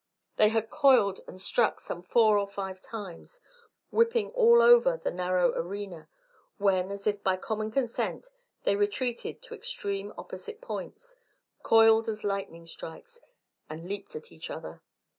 They had coiled and struck some four or five times, whipping all over their narrow arena, when as if by common consent, they retreated to extreme opposite points, coiled as lightning strikes, and leapt at each other.